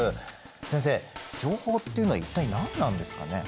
先生情報っていうのは一体何なんですかね？